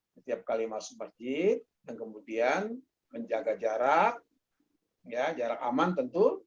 setiap kali masuk masjid dan kemudian menjaga jarak aman tentu